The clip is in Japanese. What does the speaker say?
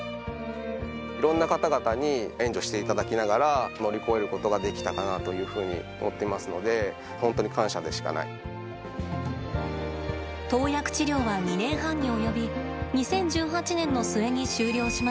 いろんな方々に援助していただきながら乗り越えることができたかなというふうに思っていますので投薬治療は２年半に及び２０１８年の末に終了しました。